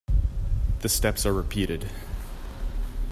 The steps are repeated.